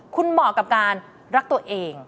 คุณเหมาะกับการรักตัวเอง